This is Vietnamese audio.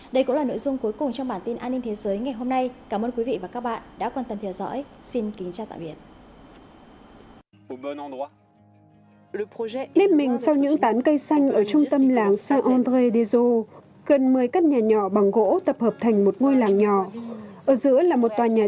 đây cũng là nội dung cuối cùng trong bản tin an ninh thế giới ngày hôm nay